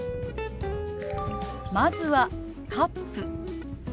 まずは「カップ」。